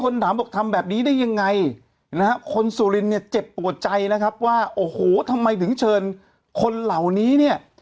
เนี่ยเจ็บปวดใจนะครับว่าโอ้โหทำไมถึงเชิญคนเหล่านี้เนี่ย